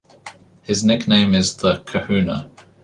His nickname is "The Kahuna".